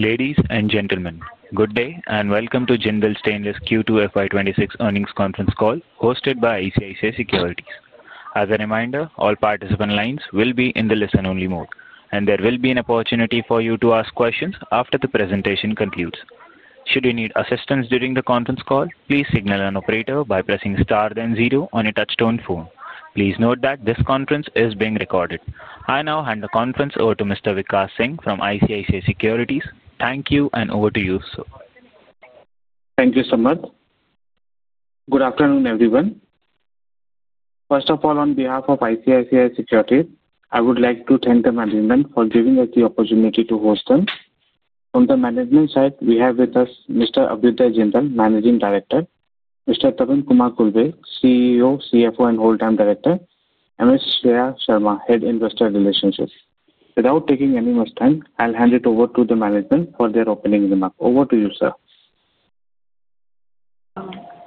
Ladies and gentlemen, good day and welcome to Jindal Stainless Q2FY26 Earnings Conference Call, hosted by ICICI Securities. As a reminder, all participant lines will be in the listen-only mode, and there will be an opportunity for you to ask questions after the presentation concludes. Should you need assistance during the conference call, please signal an operator by pressing star then zero on your touch-tone phone. Please note that this conference is being recorded. I now hand the conference over to Mr. Vikas Singh from ICICI Securities. Thank you, and over to you, sir. Thank you so much. Good afternoon, everyone. First of all, on behalf of ICICI Securities, I would like to thank the management for giving us the opportunity to host them. From the management side, we have with us Mr. Abhyuday Jindal, Managing Director; Mr. Tarun Kumar Kulbe, CEO, CFO, and Wholetime Director; and Ms. Shreya Sharma, Head Investor Relations. Without taking any more time, I'll hand it over to the management for their opening remarks. Over to you, sir.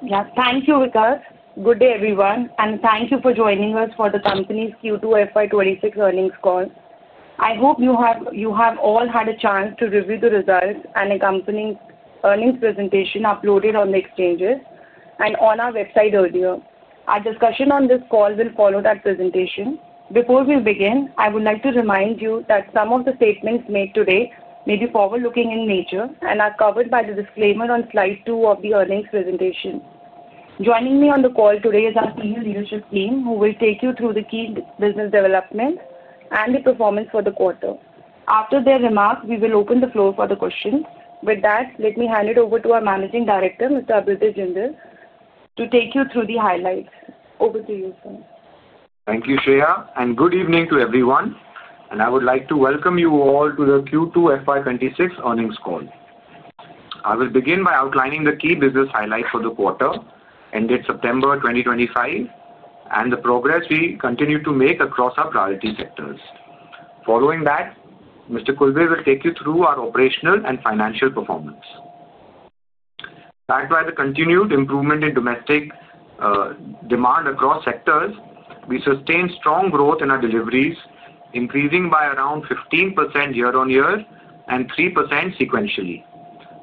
Yeah, thank you, Vikas. Good day, everyone, and thank you for joining us for the company's Q2FY26 earnings call. I hope you have all had a chance to review the results and the company's earnings presentation uploaded on the exchanges and on our website earlier. Our discussion on this call will follow that presentation. Before we begin, I would like to remind you that some of the statements made today may be forward-looking in nature and are covered by the disclaimer on slide two of the earnings presentation. Joining me on the call today is our senior leadership team, who will take you through the key business developments and the performance for the quarter. After their remarks, we will open the floor for the questions. With that, let me hand it over to our Managing Director, Mr. Abhyuday Jindal, to take you through the highlights. Over to you, sir. Thank you, Shreya, and good evening to everyone. I would like to welcome you all to the Q2 FY2026 earnings call. I will begin by outlining the key business highlights for the quarter ended September 2025 and the progress we continue to make across our priority sectors. Following that, Mr. Khulbe will take you through our operational and financial performance. Backed by the continued improvement in domestic demand across sectors, we sustained strong growth in our deliveries, increasing by around 15% year-on-year and 3% sequentially.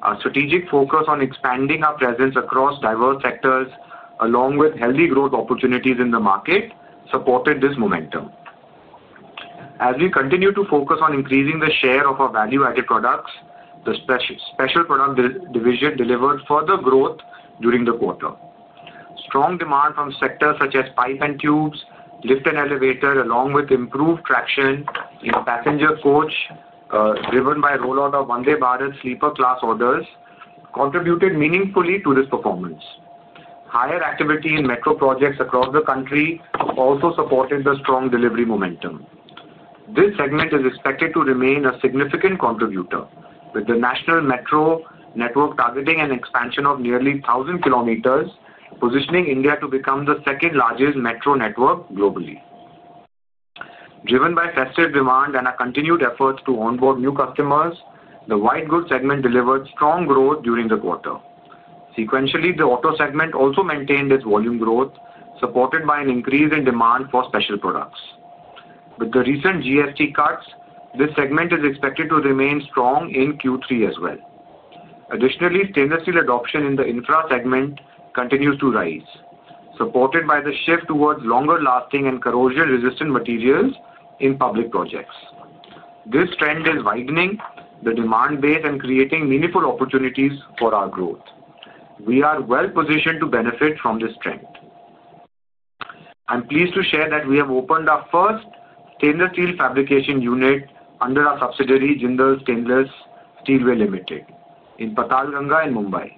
Our strategic focus on expanding our presence across diverse sectors, along with healthy growth opportunities in the market, supported this momentum. As we continue to focus on increasing the share of our value-added products, the special product division delivered further growth during the quarter. Strong demand from sectors such as pipe and tubes, lift and elevator, along with improved traction in passenger coach driven by rollout of Vande Bharat sleeper class orders, contributed meaningfully to this performance. Higher activity in metro projects across the country also supported the strong delivery momentum. This segment is expected to remain a significant contributor, with the national metro network targeting an expansion of nearly 1,000 km, positioning India to become the second-largest metro network globally. Driven by festive demand and our continued efforts to onboard new customers, the wide goods segment delivered strong growth during the quarter. Sequentially, the auto segment also maintained its volume growth, supported by an increase in demand for special products. With the recent GST cuts, this segment is expected to remain strong in Q3 as well. Additionally, stainless steel adoption in the infra segment continues to rise, supported by the shift towards longer-lasting and corrosion-resistant materials in public projects. This trend is widening the demand base and creating meaningful opportunities for our growth. We are well-positioned to benefit from this trend. I'm pleased to share that we have opened our first stainless steel fabrication unit under our subsidiary, Jindal Stainless Steelway Limited, in Patalganga, Mumbai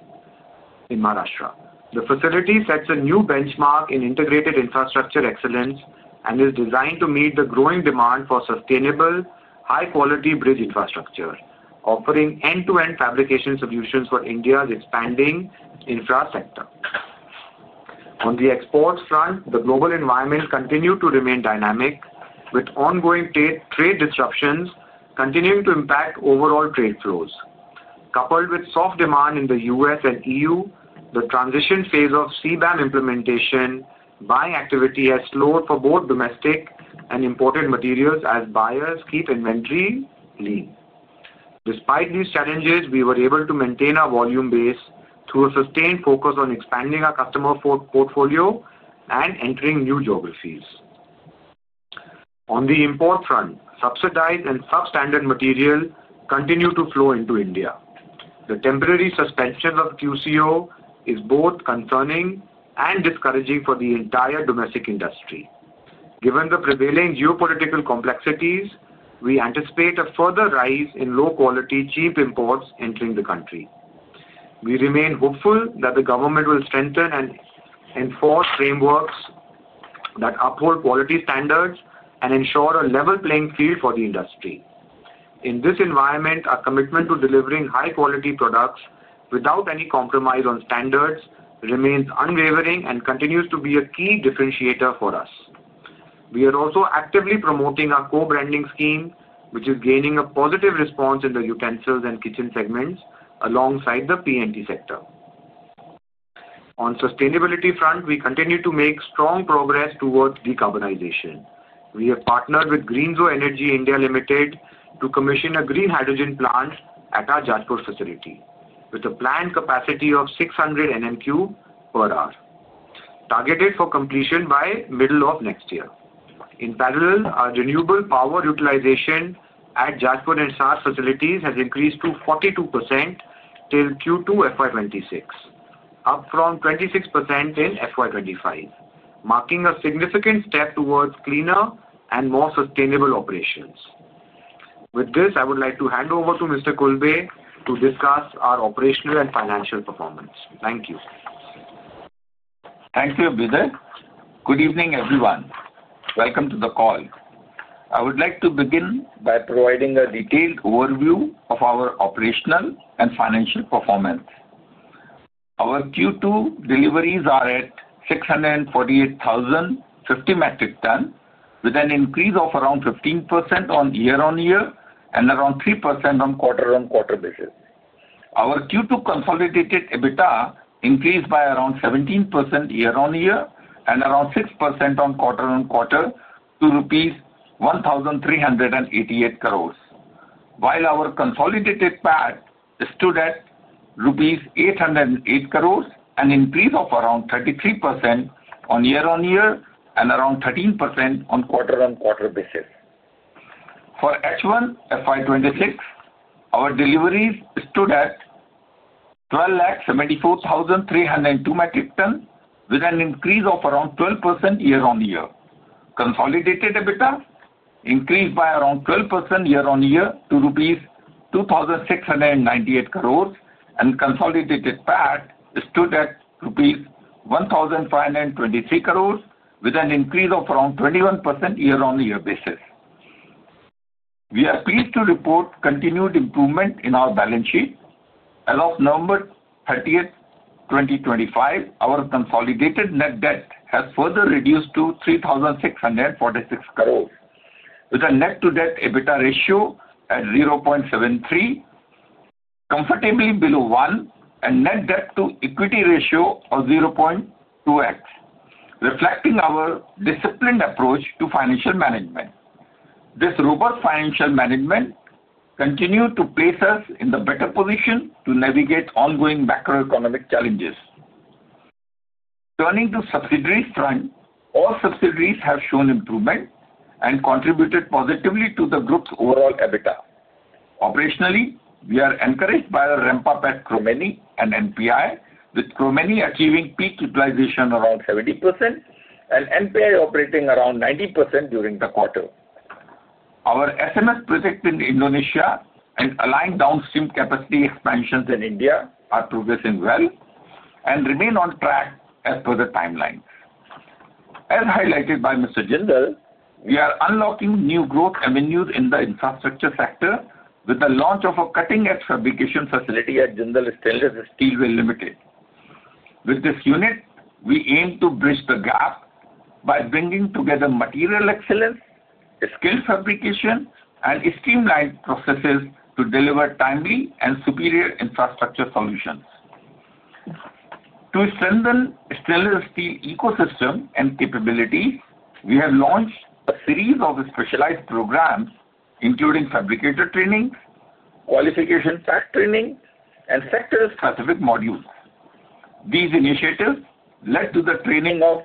in Maharashtra. The facility sets a new benchmark in integrated infrastructure excellence and is designed to meet the growing demand for sustainable, high-quality bridge infrastructure, offering end-to-end fabrication solutions for India's expanding infra sector. On the exports front, the global environment continued to remain dynamic, with ongoing trade disruptions continuing to impact overall trade flows. Coupled with soft demand in the U.S. and EU, the transition phase of CBAM implementation buying activity has slowed for both domestic and imported materials as buyers keep inventory lean. Despite these challenges, we were able to maintain our volume base through a sustained focus on expanding our customer portfolio and entering new geographies. On the import front, subsidized and substandard material continue to flow into India. The temporary suspension of QCO is both concerning and discouraging for the entire domestic industry. Given the prevailing geopolitical complexities, we anticipate a further rise in low-quality, cheap imports entering the country. We remain hopeful that the government will strengthen and enforce frameworks that uphold quality standards and ensure a level playing field for the industry. In this environment, our commitment to delivering high-quality products without any compromise on standards remains unwavering and continues to be a key differentiator for us. We are also actively promoting our co-branding scheme, which is gaining a positive response in the utensils and kitchen segments alongside the P&T sector. On the sustainability front, we continue to make strong progress towards decarbonization. We have partnered with Greenko Energy India Limited to commission a green hydrogen plant at our Jodhpur facility, with a planned capacity of 600 Nm^3 per hour, targeted for completion by the middle of next year. In parallel, our renewable power utilization at Jodhpur and SAR facilities has increased to 42% till Q2 FY2026, up from 26% in FY2025, marking a significant step towards cleaner and more sustainable operations. With this, I would like to hand over to Mr. Khulbe to discuss our operational and financial performance. Thank you. Thank you, Abhyuday. Good evening, everyone. Welcome to the call. I would like to begin by providing a detailed overview of our operational and financial performance. Our Q2 deliveries are at 648,050 metric tons, with an increase of around 15% year-on-year and around 3% quarter-on-quarter. Our Q2 consolidated EBITDA increased by around 17% year-on-year and around 6% quarter-on-quarter to rupees 1,388 crore, while our consolidated PAT stood at rupees 808 crore, an increase of around 33% year-on-year and around 13% quarter-on-quarter. For H1 2026, our deliveries stood at 1,274,302 metric tons, with an increase of around 12% year-on-year. Consolidated EBITDA increased by around 12% year-on-year to rupees 2,698 crore, and consolidated PAT stood at rupees 1,523 crore, with an increase of around 21% year-on-year. We are pleased to report continued improvement in our balance sheet. As of November 30, 2025, our consolidated net debt has further reduced to 3,646 crore, with a net-to-EBITDA ratio at 0.73, comfortably below 1, and net debt-to-equity ratio of 0.2x, reflecting our disciplined approach to financial management. This robust financial management continued to place us in the better position to navigate ongoing macroeconomic challenges. Turning to subsidiaries front, all subsidiaries have shown improvement and contributed positively to the group's overall EBITDA. Operationally, we are encouraged by our REMPA, PAT, Chromeni, and NPI, with Chromeni achieving peak utilization around 70% and NPI operating around 90% during the quarter. Our SMS project in Indonesia and aligned downstream capacity expansions in India are progressing well and remain on track as per the timelines. As highlighted by Mr. Jindal, we are unlocking new growth avenues in the infrastructure sector with the launch of a cutting-edge fabrication facility at Jindal Stainless Steelway Limited. With this unit, we aim to bridge the gap by bringing together material excellence, skilled fabrication, and streamlined processes to deliver timely and superior infrastructure solutions. To strengthen the stainless steel ecosystem and capabilities, we have launched a series of specialized programs, including fabricator training, qualification training, and sector-specific modules. These initiatives led to the training of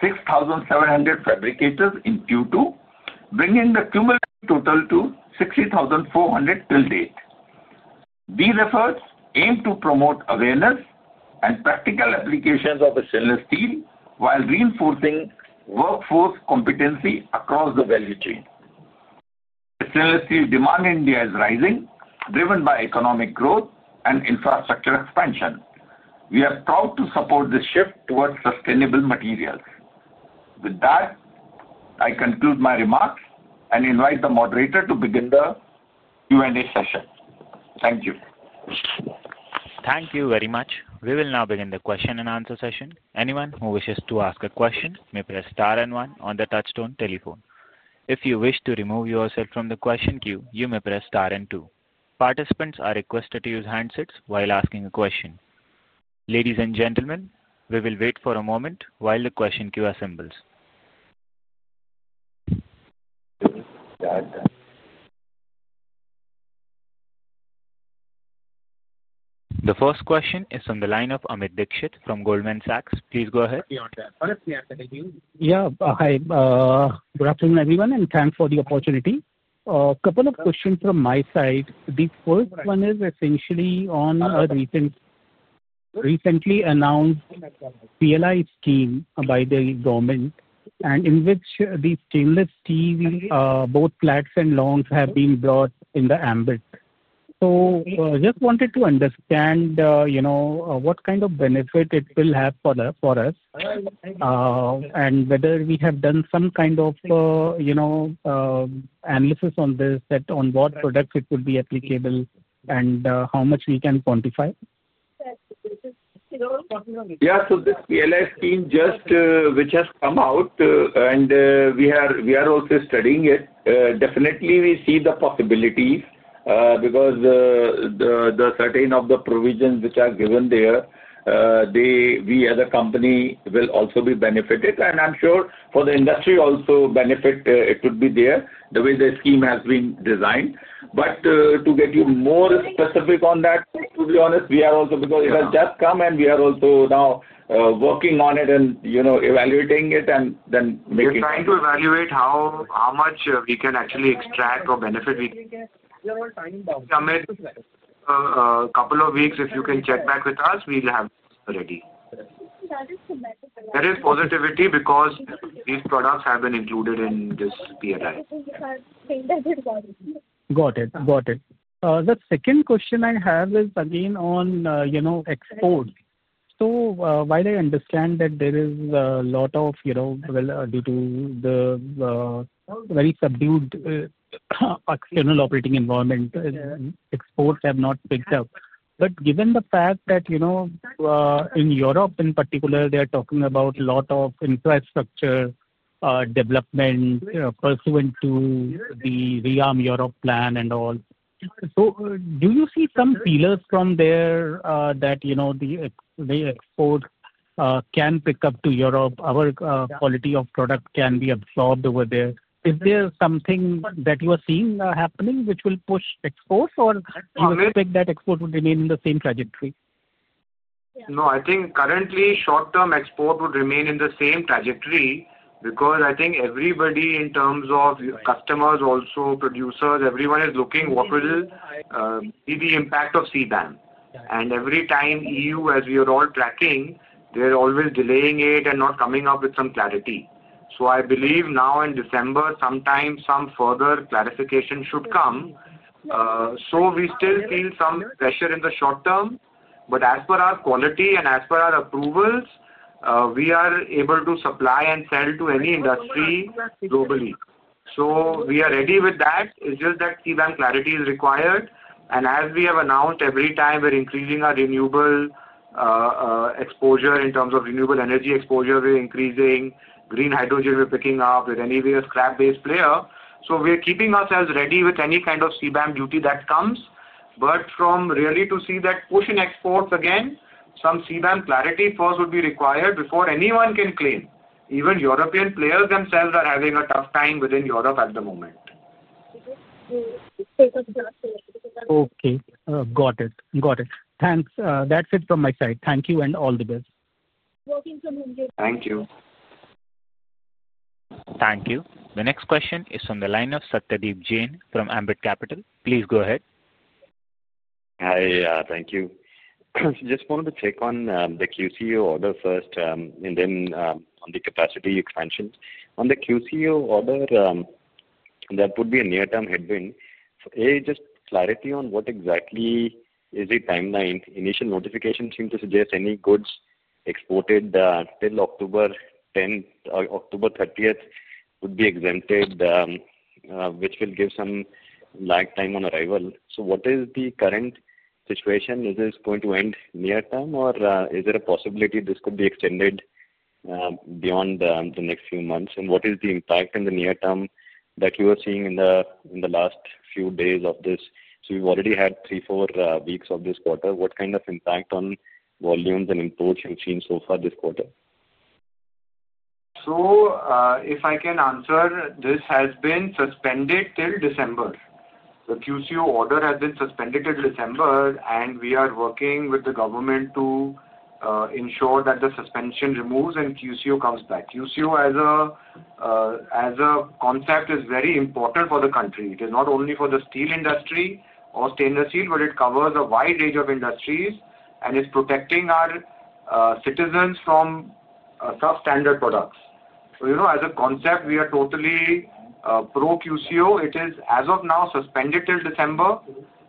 6,700 fabricators in Q2, bringing the cumulative total to 60,400 to date. These efforts aim to promote awareness and practical applications of stainless steel while reinforcing workforce competency across the value chain. Stainless steel demand in India is rising, driven by economic growth and infrastructure expansion. We are proud to support this shift towards sustainable materials. With that, I conclude my remarks and invite the moderator to begin the Q&A session. Thank you. Thank you very much. We will now begin the question and answer session. Anyone who wishes to ask a question may press star and one on the touch-tone telephone. If you wish to remove yourself from the question queue, you may press star and two. Participants are requested to use handsets while asking a question. Ladies and gentlemen, we will wait for a moment while the question queue assembles. The first question is from the line of Amit Dixit from Goldman Sachs. Please go ahead. Yeah, hi. Good afternoon, everyone, and thanks for the opportunity. A couple of questions from my side. The first one is essentially on a recently announced PLI scheme by the government, and in which the stainless steel, both flats and longs, have been brought in the ambit. I just wanted to understand what kind of benefit it will have for us and whether we have done some kind of analysis on this, on what products it would be applicable and how much we can quantify. Yeah, so this PLI scheme just which has come out, and we are also studying it. Definitely, we see the possibilities because the certain of the provisions which are given there, we as a company will also be benefited, and I'm sure for the industry also benefit it could be there the way the scheme has been designed. To get you more specific on that, to be honest, we are also because it has just come, and we are also now working on it and evaluating it and then making. We're trying to evaluate how much we can actually extract or benefit. Amit, a couple of weeks, if you can check back with us, we'll have ready. There is positivity because these products have been included in this PLI. Got it. The second question I have is again on exports. While I understand that there is a lot of, due to the very subdued external operating environment, exports have not picked up. Given the fact that in Europe, in particular, they are talking about a lot of infrastructure development pursuant to the ReArm Europe plan and all, do you see some feelers from there that the exports can pick up to Europe? Our quality of product can be absorbed over there. Is there something that you are seeing happening which will push exports, or do you expect that exports would remain in the same trajectory? No, I think currently short-term export would remain in the same trajectory because I think everybody in terms of customers, also producers, everyone is looking what will be the impact of CBAM. Every time EU, as we are all tracking, they're always delaying it and not coming up with some clarity. I believe now in December, sometimes some further clarification should come. We still feel some pressure in the short term, but as per our quality and as per our approvals, we are able to supply and sell to any industry globally. We are ready with that. It's just that CBAM clarity is required. As we have announced, every time we're increasing our renewable exposure in terms of renewable energy exposure, we're increasing green hydrogen, we're picking up with anyway a scrap-based player. We're keeping ourselves ready with any kind of CBAM duty that comes. But to really see that pushing exports again, some CBAM clarity first would be required before anyone can claim. Even European players themselves are having a tough time within Europe at the moment. Okay. Got it. Got it. Thanks. That's it from my side. Thank you and all the best. Thank you. Thank you. The next question is from the line of Satyadeep Jain from Ambit Capital. Please go ahead. Hi, thank you. Just wanted to check on the QCO order first and then on the capacity expansion. On the QCO order, that would be a near-term headwind. A, just clarity on what exactly is the timeline. Initial notification seemed to suggest any goods exported till October 10, October 30, would be exempted, which will give some lag time on arrival. What is the current situation? Is this going to end near term, or is there a possibility this could be extended beyond the next few months? What is the impact in the near term that you are seeing in the last few days of this? We have already had three, four weeks of this quarter. What kind of impact on volumes and imports have you seen so far this quarter? If I can answer, this has been suspended till December. The QCO order has been suspended till December, and we are working with the government to ensure that the suspension removes and QCO comes back. QCO as a concept is very important for the country. It is not only for the steel industry or stainless steel, but it covers a wide range of industries and is protecting our citizens from substandard products. As a concept, we are totally pro-QCO. It is, as of now, suspended till December.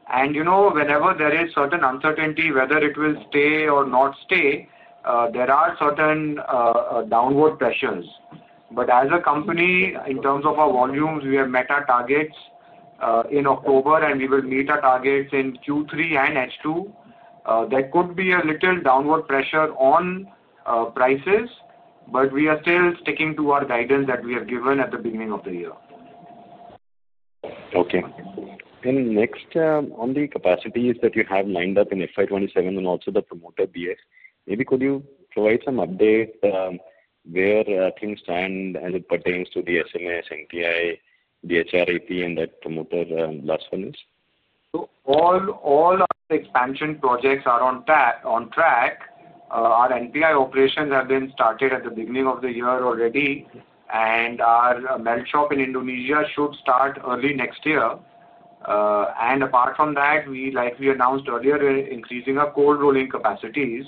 Whenever there is certain uncertainty whether it will stay or not stay, there are certain downward pressures. As a company, in terms of our volumes, we have met our targets in October, and we will meet our targets in Q3 and H2. There could be a little downward pressure on prices, but we are still sticking to our guidance that we have given at the beginning of the year. Okay. Next, on the capacities that you have lined up in FY2027 and also the promoter BS, maybe could you provide some update where things stand as it pertains to the SMS, NPI, the HRAP, and that promoter last one is? All our expansion projects are on track. Our NPI operations have been started at the beginning of the year already, and our melt shop in Indonesia should start early next year. Apart from that, like we announced earlier, we're increasing our cold rolling capacities.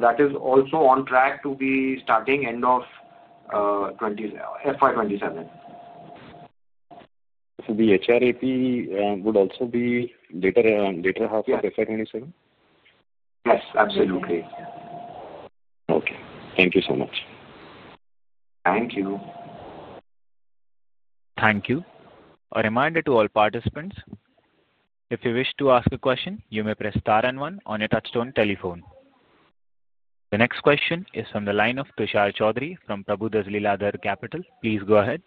That is also on track to be starting end of FY2027. The HRAP would also be later half of FY2027? Yes, absolutely. Okay. Thank you so much. Thank you. Thank you. A reminder to all participants, if you wish to ask a question, you may press star and one on your touch-tone telephone. The next question is from the line of Tushar Choudhary from Prabhudas Lilladher Capital. Please go ahead.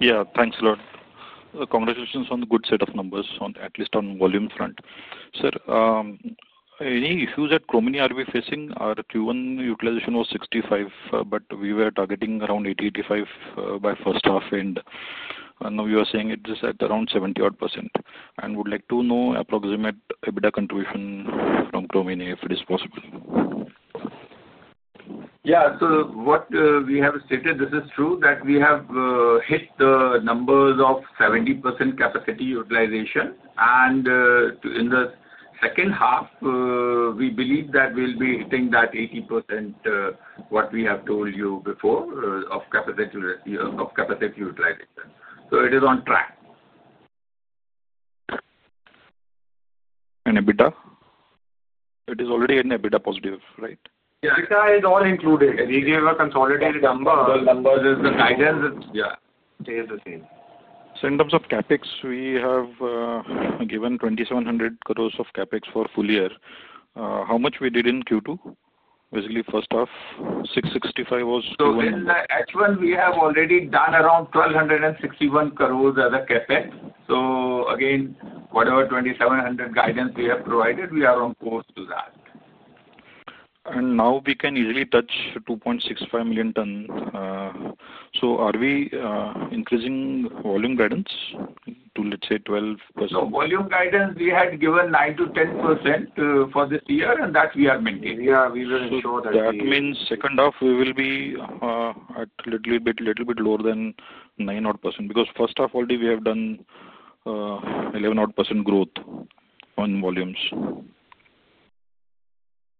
Yeah, thanks, Lord. Congratulations on the good set of numbers, at least on volume front. Sir, any issues that Chromeni are we facing? Our Q1 utilization was 65%, but we were targeting around 80%-85% by first half, and now you are saying it is at around 70-odd %. Would like to know approximate EBITDA contribution from Chromeni if it is possible. Yeah, so what we have stated, this is true that we have hit the numbers of 70% capacity utilization. In the second half, we believe that we'll be hitting that 80% what we have told you before of capacity utilization. It is on track. EBITDA? It is already in EBITDA positive, right? Yeah, EBITDA is all included. We gave a consolidated number. The numbers is the guidance. Yeah, stays the same. In terms of CapEx, we have given 2,700 crore of CapEx for full year. How much we did in Q2? Basically, first half, 665 crore was. In the H1, we have already done around 1,261 crore as CapEx. Again, whatever 2,700 crore guidance we have provided, we are on course to that. We can easily touch 2.65 million ton. Are we increasing volume guidance to, let's say, 12%? No, volume guidance, we had given 9-10% for this year, and that we are maintaining. Yeah, we will ensure that. That means second half, we will be a little bit lower than 9-odd % because first half, already we have done 11-odd % growth on volumes.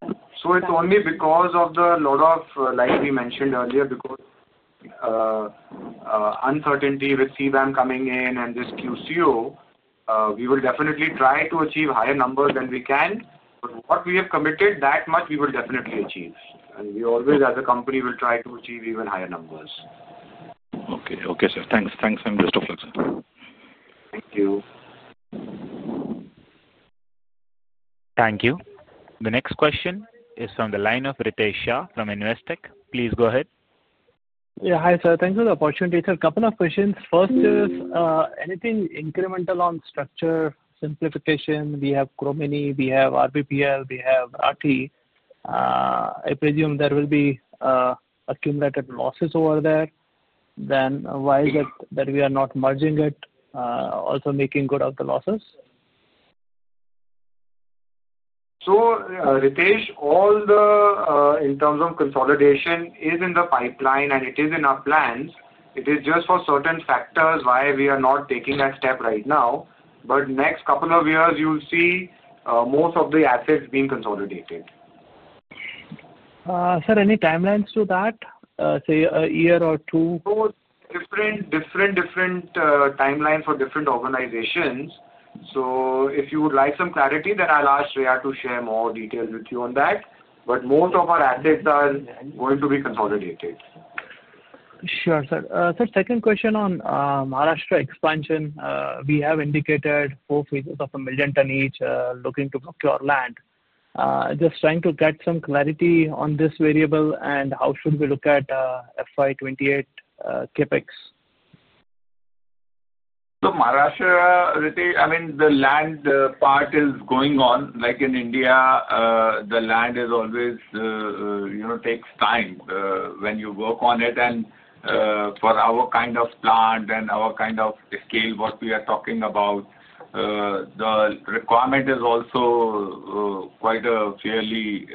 It is only because of a lot of, like we mentioned earlier, uncertainty with CBAM coming in and this QCO. We will definitely try to achieve higher numbers than we can. What we have committed, that much we will definitely achieve. We always, as a company, will try to achieve even higher numbers. Okay. Okay, sir. Thanks. Thanks, Mr. Flexer. Thank you. Thank you. The next question is from the line of Ritesh from Investec. Please go ahead. Yeah, hi, sir. Thanks for the opportunity, sir. A couple of questions. First is, anything incremental on structure simplification? We have Chromeni, we have RBPL, we have RT. I presume there will be accumulated losses over there. Then why is it that we are not merging it, also making good of the losses? Ritesh, all the in terms of consolidation is in the pipeline, and it is in our plans. It is just for certain factors why we are not taking that step right now. Next couple of years, you'll see most of the assets being consolidated. Sir, any timelines to that? Say a year or two. Different, different timelines for different organizations. If you would like some clarity, then I'll ask Shreya to share more details with you on that. Most of our assets are going to be consolidated. Sure, sir. Sir, second question on Maharashtra expansion. We have indicated four phases of a million ton each looking to procure land. Just trying to get some clarity on this variable and how should we look at FY2028 CapEx? Maharashtra, I mean, the land part is going on. Like in India, the land always takes time when you work on it. For our kind of plant and our kind of scale, what we are talking about, the requirement is also quite fairly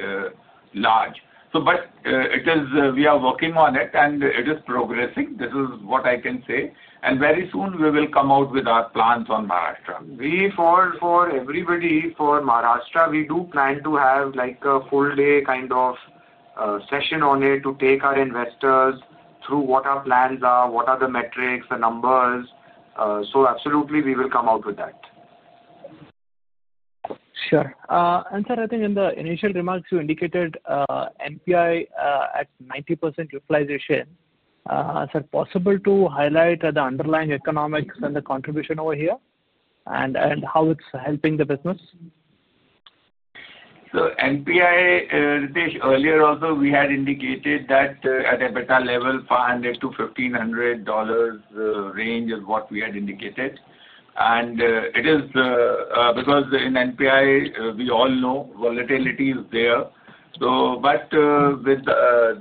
large. We are working on it, and it is progressing. This is what I can say. Very soon, we will come out with our plans on Maharashtra. For everybody for Maharashtra, we do plan to have a full-day kind of session on it to take our investors through what our plans are, what are the metrics, the numbers. Absolutely, we will come out with that. Sure. Sir, I think in the initial remarks, you indicated NPI at 90% utilization. Is it possible to highlight the underlying economics and the contribution over here and how it's helping the business? NPI, Ritesh, earlier also, we had indicated that at EBITDA level, $500-$1,500 range is what we had indicated. It is because in NPI, we all know volatility is there. With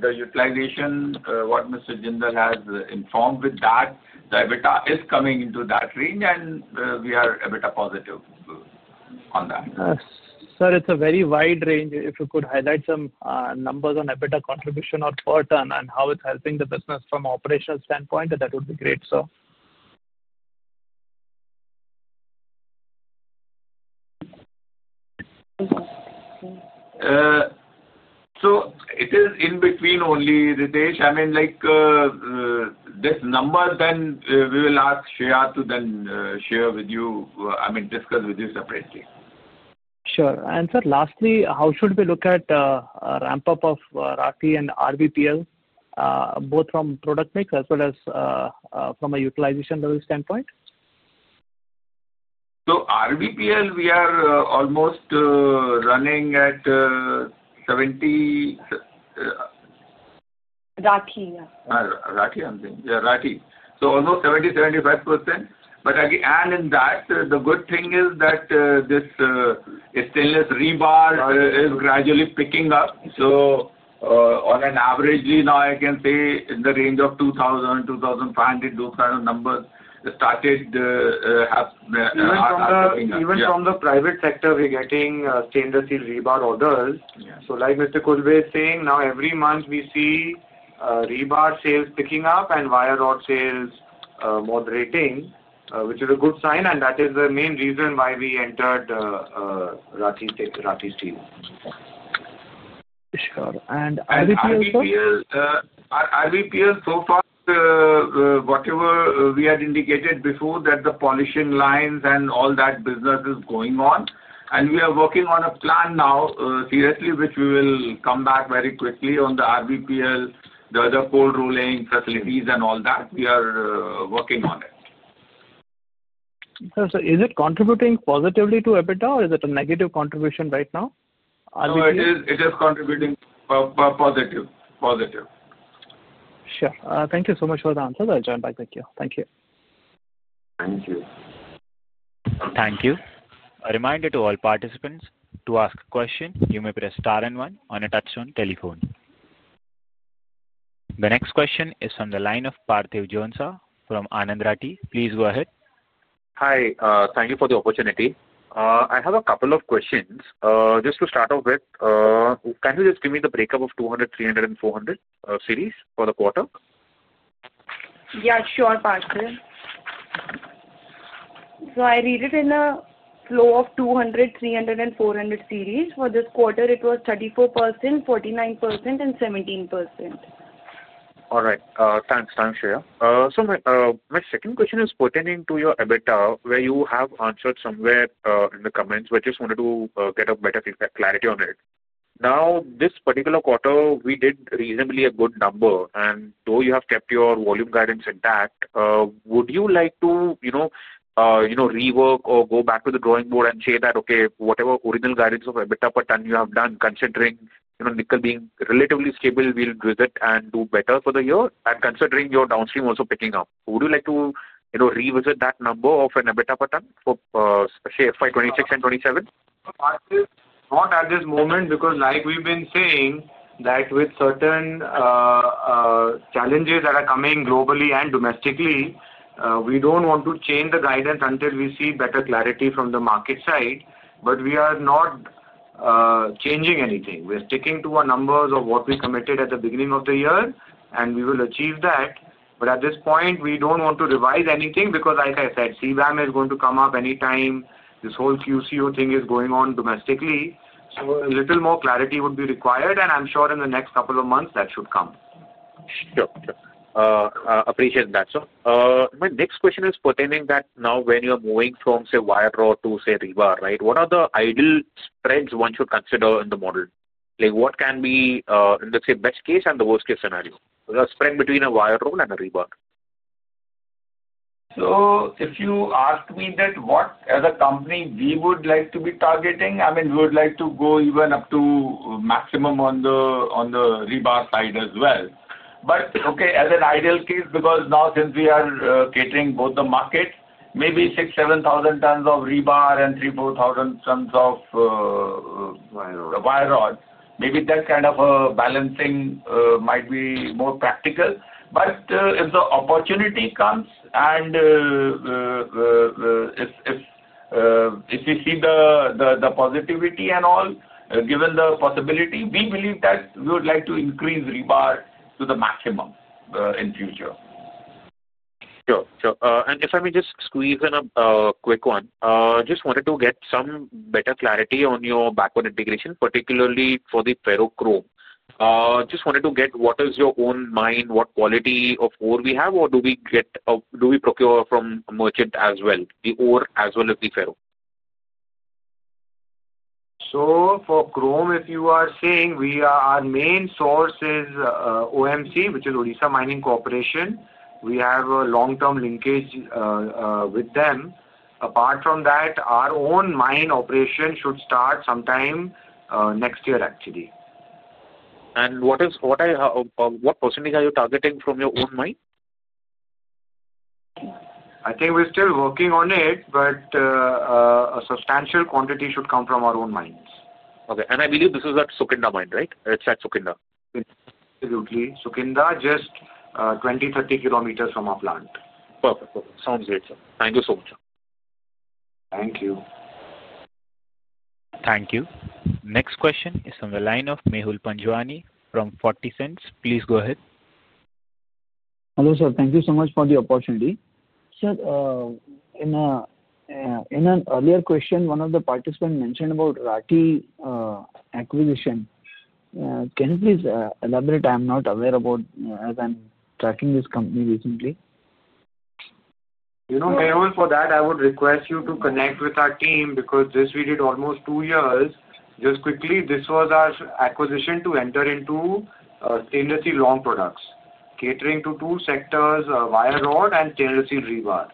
the utilization, what Mr. Jindal has informed, with that, the EBITDA is coming into that range, and we are EBITDA positive on that. Sir, it's a very wide range. If you could highlight some numbers on EBITDA contribution or per ton and how it's helping the business from an operational standpoint, that would be great, sir. It is in between only, Ritesh. I mean, this number, then we will ask Shreya to then share with you, I mean, discuss with you separately. Sure. Sir, lastly, how should we look at a ramp-up of RT and RBPL, both from product mix as well as from a utilization level standpoint? RBPL, we are almost running at 70. RT. RT, I'm saying. Yeah, RT. Almost 70-75%. Again, in that, the good thing is that this stainless rebar is gradually picking up. On average, now I can say in the range of 2,000-2,500, those kind of numbers started picking up. Even from the private sector, we're getting stainless steel rebar orders. Like Mr. Khulbe is saying, now every month we see rebar sales picking up and wire rod sales moderating, which is a good sign. That is the main reason why we entered RT steel. Sure. And RBPL, sir? RBPL, so far, whatever we had indicated before, that the polishing lines and all that business is going on. We are working on a plan now, seriously, which we will come back very quickly on the RBPL, the cold rolling facilities and all that. We are working on it. Sir, is it contributing positively to EBITDA, or is it a negative contribution right now? It is contributing positive. Sure. Thank you so much for the answer. I'll join back with you. Thank you. Thank you. Thank you. A reminder to all participants to ask a question. You may press star and one on your touch-tone telephone. The next question is from the line of Parthiv Jhonsa from Anand Rathi. Please go ahead. Hi. Thank you for the opportunity. I have a couple of questions. Just to start off with, can you just give me the breakup of 200, 300, and 400 series for the quarter? Yeah, sure, Parthiv. I read it in a flow of 200, 300, and 400 series. For this quarter, it was 34%, 49%, and 17%. All right. Thanks, Shreya. My second question is pertaining to your EBITDA, where you have answered somewhere in the comments. I just wanted to get a better clarity on it. Now, this particular quarter, we did reasonably a good number. Though you have kept your volume guidance intact, would you like to rework or go back to the drawing board and say that, "Okay, whatever original guidance of EBITDA per ton you have done, considering nickel being relatively stable, we'll revisit and do better for the year," and considering your downstream also picking up? Would you like to revisit that number of an EBITDA per ton for FY2026 and FY2027? Not at this moment because, like we've been saying, that with certain challenges that are coming globally and domestically, we don't want to change the guidance until we see better clarity from the market side. We are not changing anything. We are sticking to our numbers of what we committed at the beginning of the year, and we will achieve that. At this point, we don't want to revise anything because, like I said, CBAM is going to come up anytime this whole QCO thing is going on domestically. A little more clarity would be required. I'm sure in the next couple of months, that should come. Sure. Appreciate that, sir. My next question is pertaining that now when you're moving from, say, wire rod to, say, rebar, right, what are the ideal spreads one should consider in the model? What can be, let's say, best case and the worst case scenario? The spread between a wire rod and a rebar. If you ask me that what as a company, we would like to be targeting, I mean, we would like to go even up to maximum on the rebar side as well. Okay, as an ideal case, because now since we are catering both the market, maybe 6,000-7,000 tons of rebar and 3,000-4,000 tons of wire rod, maybe that kind of balancing might be more practical. If the opportunity comes and if we see the positivity and all, given the possibility, we believe that we would like to increase rebar to the maximum in future. Sure. Sure. If I may just squeeze in a quick one, just wanted to get some better clarity on your backward integration, particularly for the ferrochrome. Just wanted to get what is your own mine, what quality of ore we have, or do we procure from a merchant as well, the ore as well as the ferro? For chrome, if you are saying our main source is OMC, which is Odisha Mining Corporation. We have a long-term linkage with them. Apart from that, our own mine operation should start sometime next year, actually. What % are you targeting from your own mine? I think we're still working on it, but a substantial quantity should come from our own mines. Okay. I believe this is at Sukinda mine, right? It's at Sukinda. Absolutely. Sukinda, just 20-30 km from our plant. Perfect. Perfect. Sounds great, sir. Thank you so much, sir. Thank you. Thank you. Next question is from the line of Mehul Panjwani from 4Cents. Please go ahead. Hello, sir. Thank you so much for the opportunity. Sir, in an earlier question, one of the participants mentioned about RT acquisition. Can you please elaborate? I'm not aware about as I'm tracking this company recently. Mehul, for that, I would request you to connect with our team because this we did almost two years. Just quickly, this was our acquisition to enter into stainless steel long products, catering to two sectors, wire rod and stainless steel rebar.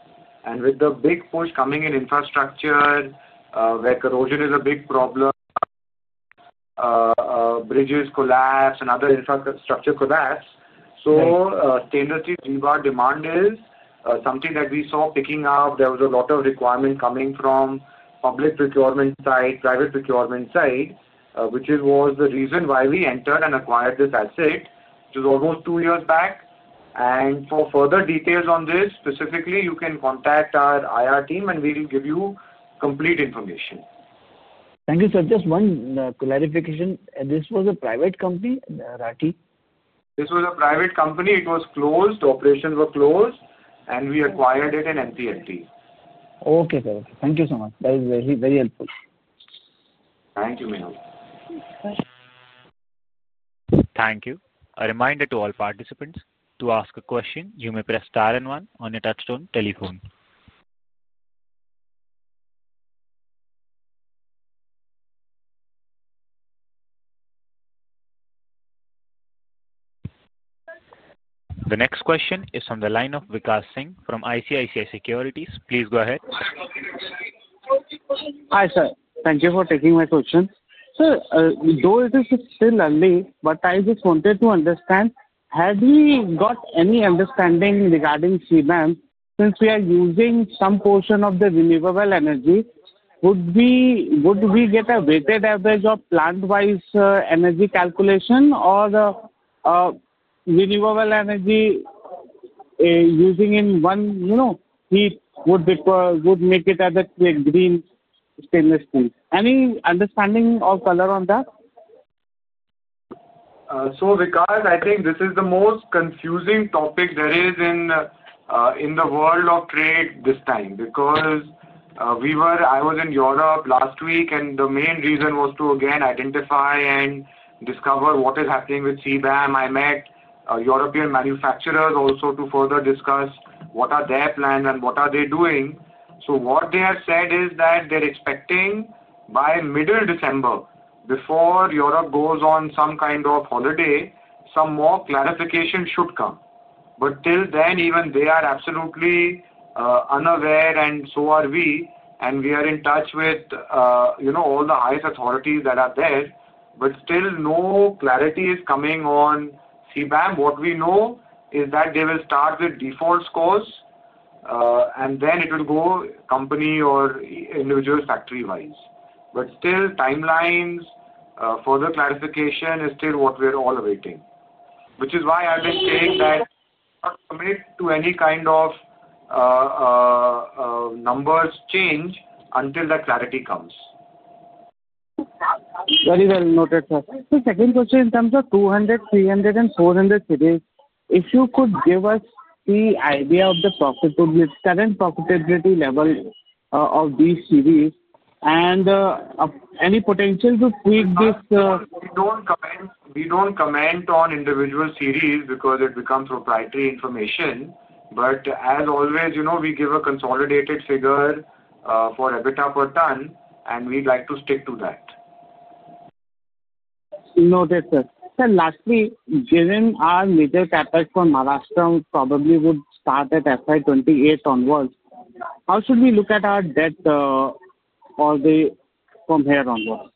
With the big push coming in infrastructure where corrosion is a big problem, bridges collapse, and other infrastructure collapse, stainless steel rebar demand is something that we saw picking up. There was a lot of requirement coming from public procurement side, private procurement side, which was the reason why we entered and acquired this asset, which was almost two years back. For further details on this, specifically, you can contact our IR team, and we'll give you complete information. Thank you, sir. Just one clarification. This was a private company, right? This was a private company. It was closed. Operations were closed, and we acquired it in MTLT. Okay. Thank you so much. That is very helpful. Thank you, Mehul. Thank you. A reminder to all participants to ask a question. You may press star and one on your touch-tone telephone. The next question is from the line of Vikas Singh from ICICI Securities. Please go ahead. Hi, sir. Thank you for taking my question. Sir, though it is still early, but I just wanted to understand, had we got any understanding regarding CBAM, since we are using some portion of the renewable energy, would we get a weighted average of plant-wise energy calculation or renewable energy using in one heat would make it as a green stainless steel? Any understanding of color on that? Vikas, I think this is the most confusing topic there is in the world of trade this time because I was in Europe last week, and the main reason was to, again, identify and discover what is happening with CBAM. I met European manufacturers also to further discuss what are their plans and what are they doing. What they have said is that they're expecting by middle December, before Europe goes on some kind of holiday, some more clarification should come. Until then, even they are absolutely unaware, and so are we. We are in touch with all the highest authorities that are there, but still no clarity is coming on CBAM. What we know is that they will start with default scores, and then it will go company or individual factory-wise. Still, timelines, further clarification is still what we're all awaiting, which is why I've been saying that we're not committed to any kind of numbers change until that clarity comes. Very well noted, sir. Second question, in terms of 200, 300, and 400 series, if you could give us the idea of the current profitability level of these series and any potential to tweak this. We do not comment on individual series because it becomes proprietary information. As always, we give a consolidated figure for EBITDA per ton, and we would like to stick to that. Noted, sir. Sir, lastly, given our major CapEx for Maharashtra probably would start at FY 2028 onwards, how should we look at our debt from here onwards?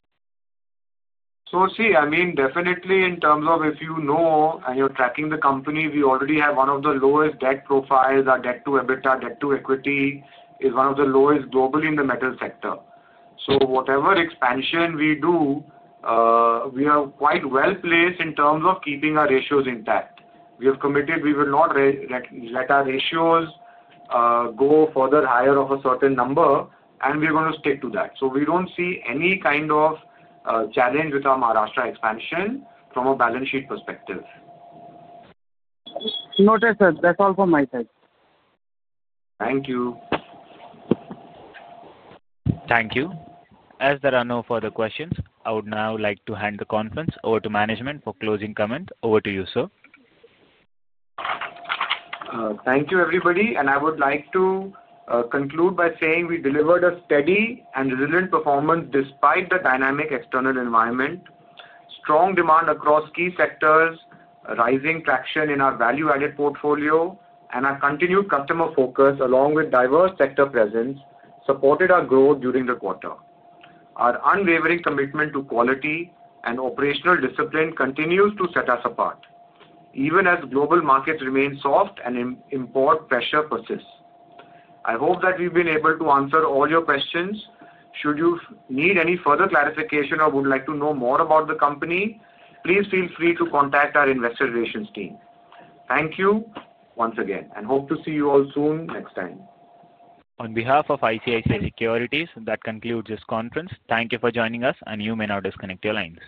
See, I mean, definitely, in terms of if you know and you're tracking the company, we already have one of the lowest debt profiles, our debt to EBITDA, debt to equity is one of the lowest globally in the metal sector. Whatever expansion we do, we are quite well placed in terms of keeping our ratios intact. We have committed we will not let our ratios go further higher of a certain number, and we're going to stick to that. We don't see any kind of challenge with our Maharashtra expansion from a balance sheet perspective. Noted, sir. That's all from my side. Thank you. Thank you. As there are no further questions, I would now like to hand the conference over to management for closing comment. Over to you, sir. Thank you, everybody. I would like to conclude by saying we delivered a steady and resilient performance despite the dynamic external environment, strong demand across key sectors, rising traction in our value-added portfolio, and our continued customer focus along with diverse sector presence supported our growth during the quarter. Our unwavering commitment to quality and operational discipline continues to set us apart, even as global markets remain soft and import pressure persists. I hope that we've been able to answer all your questions. Should you need any further clarification or would like to know more about the company, please feel free to contact our investor relations team. Thank you once again, and hope to see you all soon next time. On behalf of ICICI Securities, that concludes this conference. Thank you for joining us, and you may now disconnect your lines.